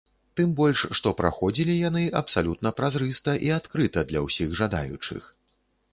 Тым больш, што праходзілі яны абсалютна празрыста і адкрыта для ўсіх жадаючых.